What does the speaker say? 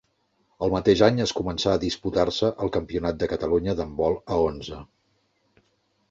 El mateix any es començà a disputar-se el Campionat de Catalunya d'handbol a onze.